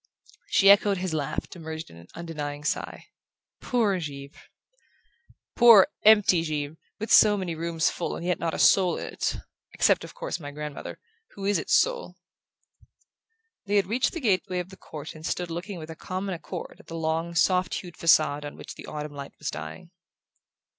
She echoed his laugh to merge it in an undenying sigh. "Poor Givre..." "Poor empty Givre! With so many rooms full and yet not a soul in it except of course my grandmother, who is its soul!" They had reached the gateway of the court and stood looking with a common accord at the long soft hued facade on which the autumn light was dying.